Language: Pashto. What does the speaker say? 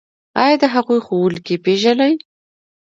ایا د هغوی ښوونکي پیژنئ؟